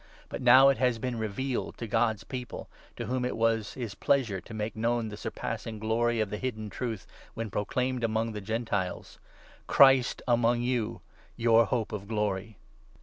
But now it has been revealed to God's People, to whom il was his pleasure to make known the surpassing glory of that hidden Truth when proclaimed among the Gentiles 'Christ among you! Your Hope of glory!'